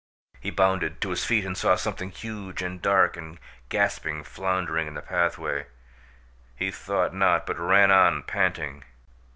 He bounded to his feet and saw something huge and dark and gasping floundering in the pathway. He thought not but ran on panting.